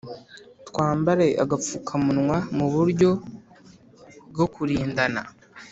twambare agapfukamunwa mu buryo bwo kurindana